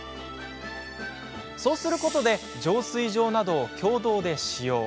そうすることで浄水場などを共同で使用。